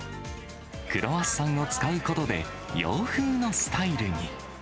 クロワッサンを使うことで、洋風のスタイルに。